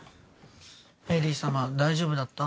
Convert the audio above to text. エリーさま大丈夫だった？